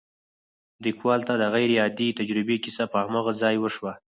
ليکوال ته د غير عادي تجربې کيسه په هماغه ځای وشوه.